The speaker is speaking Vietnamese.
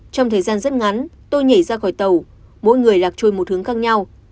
trong thời gian rất ngắn tôi nhảy ra khỏi tàu mỗi người lạc chui một hướng khác nhau